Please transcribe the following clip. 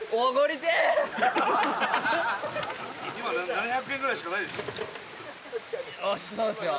伊達：今、７００円ぐらいしかないでしょ。